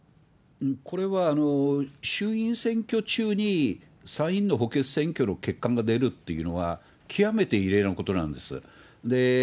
これは衆院選挙中に参院の補欠選挙の結果が出るっていうのは極めて異例のことなんです。